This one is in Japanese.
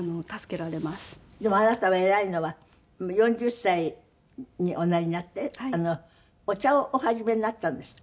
でもあなたは偉いのは４０歳におなりになってお茶をお始めになったんですって？